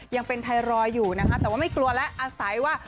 ยังเป็นไทรอยด์อยู่นะคะแต่ว่าไม่กลัวแล้วอาศัยว่า